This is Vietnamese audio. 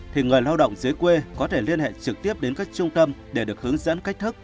thì người lao động dưới quê có thể liên hệ trực tiếp đến các trung tâm để được hướng dẫn cách thức